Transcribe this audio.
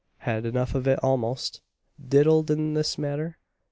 Had enough of it almost. Diddled in this manner!